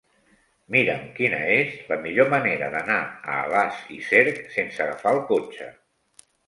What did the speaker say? Mira'm quina és la millor manera d'anar a Alàs i Cerc sense agafar el cotxe.